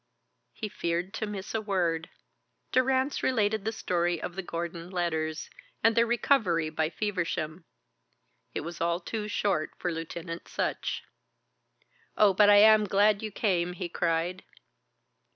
He feared to miss a word. Durrance related the story of the Gordon letters, and their recovery by Feversham. It was all too short for Lieutenant Sutch. "Oh, but I am glad you came," he cried.